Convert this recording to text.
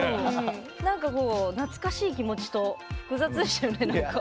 なんかこう懐かしい気持ちと複雑でしたよねなんか。